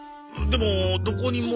でもどこにも。